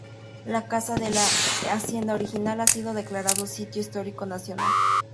La casa de la hacienda original ha sido declarado Sitio Histórico Nacional.